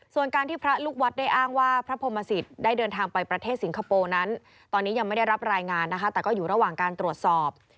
ส่วนการที่พระลูกวัดได้อ้างว่าพระพรมศิษย์ได้เดินทางไปประเทศสิงคโปร์นั้นตอนนี้ยังไม่ได้รับรายงานนะคะแต่ก็อยู่ระหว่างการตรวจสอบ